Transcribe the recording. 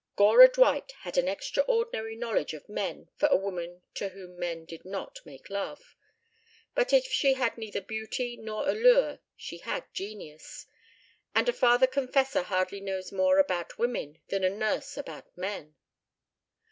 Gora Dwight had an extraordinary knowledge of men for a woman to whom men did not make love. But if she had neither beauty nor allure she had genius; and a father confessor hardly knows more about women than a nurse about men.